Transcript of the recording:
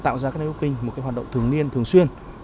tạo ra networking một hoạt động thường liên thường xuyên